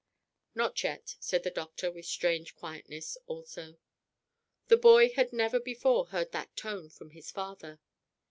"Not yet," said the doctor, with strange quietness also. The boy had never before heard that tone from his father.